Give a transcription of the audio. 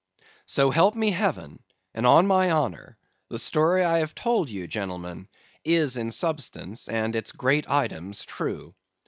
"'So help me Heaven, and on my honor the story I have told ye, gentlemen, is in substance and its great items, true.